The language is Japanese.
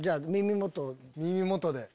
耳元で。